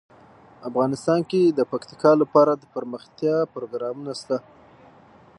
افغانستان کې د پکتیکا لپاره دپرمختیا پروګرامونه شته.